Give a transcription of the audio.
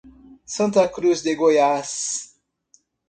Santa Cruz de Goiás